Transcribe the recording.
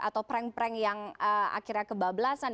atau prank prank yang akhirnya kebablasan